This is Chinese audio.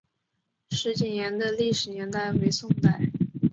石井岩的历史年代为宋代。